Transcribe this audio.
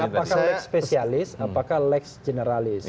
apakah leg spesialis apakah lex generalis